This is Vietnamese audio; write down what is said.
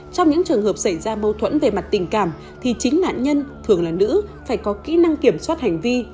trong những trường hợp xảy ra mâu thuẫn về mặt tình cảm thì chính nạn nhân thường là nữ phải có kỹ năng kiểm soát hành vi